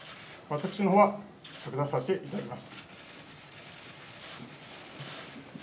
私のほうは着座させていただきます。